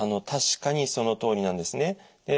確かにそのとおりなんですね。